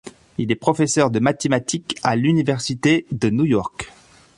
Il est professeur de mathématiques à l'université de New York.